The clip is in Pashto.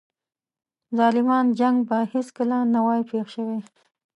ظالمانه جنګ به هیڅکله نه وای پېښ شوی.